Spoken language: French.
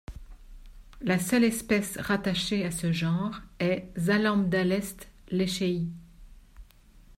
La seule espèce rattachée à ce genre est Zalambdalestes lechei.